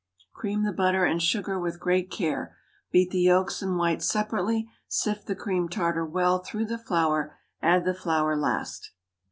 Cream the butter and sugar with great care; beat the yolks and whites separately; sift the cream tartar well through the flour. Add the flour last.